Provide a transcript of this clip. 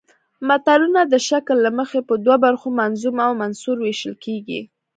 متلونه د شکل له مخې په دوو برخو منظوم او منثور ویشل کیږي